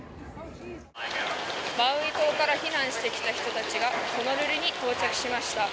マウイ島から避難してきた人たちがホノルルに到着しました。